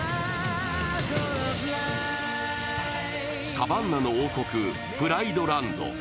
サバンナの王国、プライドランド。